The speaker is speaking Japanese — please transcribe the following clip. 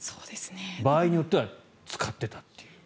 場合によっては使ってたという。